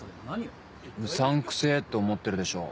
「うさんくせぇ」って思ってるでしょ。